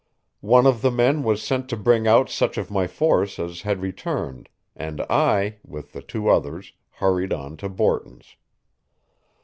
One of the men was sent to bring out such of my force as had returned, and I, with the two others, hurried on to Borton's.